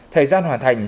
thời gian hoàn thành